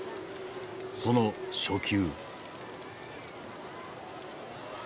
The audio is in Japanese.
その初球。